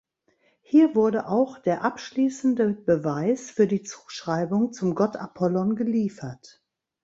Hier wurde auch der abschließende Beweis für die Zuschreibung zum Gott Apollon geliefert.